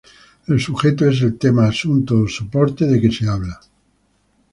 El sujeto es el tema, asunto o soporte de que se habla.